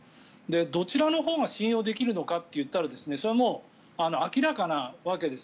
どちらのほうが信用できるのかといったらそれは明らかなわけです。